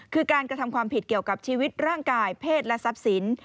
คือการกระทำความผิดเกี่ยวกับชีวิตร่างกายเพศและทรัพย์สิน